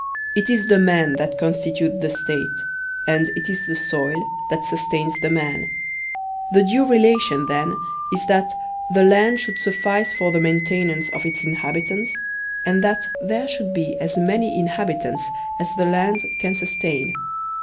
It is the men that con stitute the State, and it is the soil that sustains the men; the due relation, then, is that the land should suffice for the maintenance of its inhabitants, and that there should be as many inhabitants as the land can sustain.